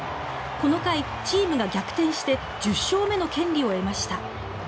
この回チームが逆転して１０勝目の権利を得ました。